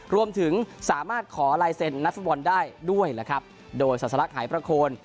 รวมถึงสามารถขอลายเซ็นนักฟุตบอลได้ด้วยนะครับโดยศาสลักหายประโคน